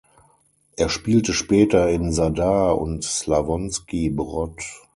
Er spielte später in Zadar und Slavonski Brod.